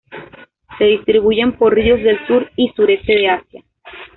Se distribuyen por ríos del sur y sureste de Asia.